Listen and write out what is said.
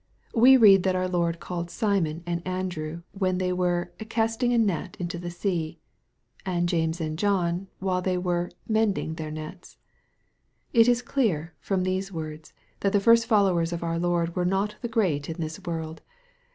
We read that our Lord called Simon and Andrew, when they were " casting a net into the sea," and James and John while they were " mending their nets." It is clear, from these words, that the first followers of our Lord were not the great of this world.